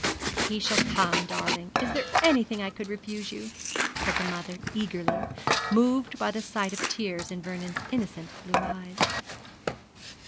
'He shall come, darling. Is there anything I could refuse you?' said the mother, eagerly, moved by the sight of tears in Vernon's innocent blue eyes.